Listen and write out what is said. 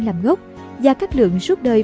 làm ngốc gia các lượng suốt đời